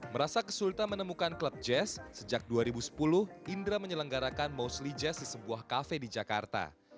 merasa kesulitan menemukan klub jazz sejak dua ribu sepuluh indra menyelenggarakan mostly jazz di sebuah kafe di jakarta